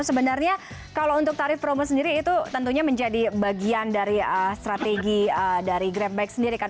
sebenarnya kalau untuk tarif promo sendiri itu tentunya menjadi bagian dari strategi dari grabback sendiri